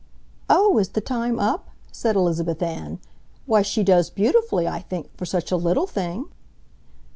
"Oh, is the time up?" said Elizabeth Ann. "Why, she does beautifully, I think, for such a little thing."